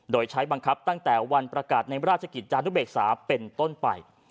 โดยใช้บังคับตั้งแต่วันประกาศในราชกิจจานุเบกษาเป็นต้นไป